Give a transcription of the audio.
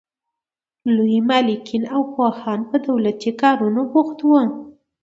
لوی مالکین او پوهان په دولتي کارونو بوخت وو.